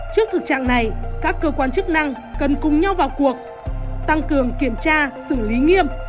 trước thực trạng này các cơ quan chức năng cần cùng nhau vào cuộc tăng cường kiểm tra xử lý nghiêm